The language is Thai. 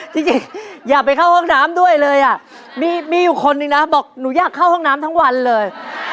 จริงอย่าไปเข้าห้องน้ำด้วยเลยอ่ะมีอยู่คนนึงนะบอกหนูอยากเข้าห้องน้ำทั้งวันเลย